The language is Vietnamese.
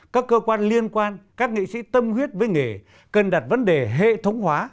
các cơ quan liên quan các nghị sĩ tâm huyết với nghề cần đặt vấn đề hệ thống hóa